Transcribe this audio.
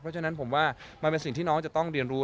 เพราะฉะนั้นผมว่ามันเป็นสิ่งที่น้องจะต้องเรียนรู้